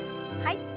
はい。